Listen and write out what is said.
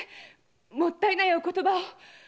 もったいないお言葉を。